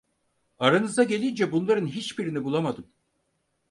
Aranıza gelince bunların hiçbirini bulamadım.